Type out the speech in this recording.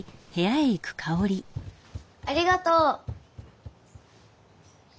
ありがとう。